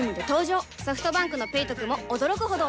ソフトバンクの「ペイトク」も驚くほどおトク